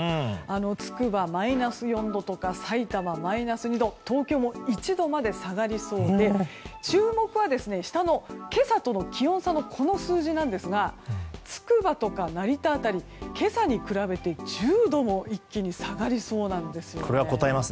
つくば、マイナス４度とかさいたま、マイナス２度東京も１度まで下がりそうで注目は、今朝との気温差の数字なんですがつくばと成田辺り今朝に比べて１０度も一気に下がりそうなんです。